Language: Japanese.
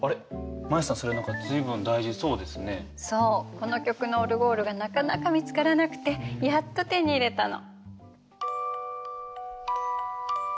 この曲のオルゴールがなかなか見つからなくてやっと手に入れたの。